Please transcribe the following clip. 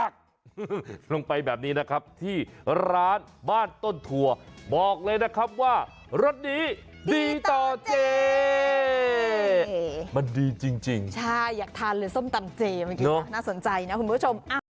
จานเด็ดตลอดกินเจมส์มั่นใจในความอร่อยค่ะ